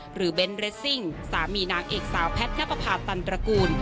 หรือเบนด์เรสซิ่งสามีนางเอกสาวแพทย์นับภาพตันตระกูล